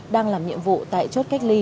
đang làm nhiệm vụ tại chốt cách ly